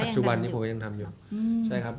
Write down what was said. ตอนปัจจุบันท่านยังทำยัง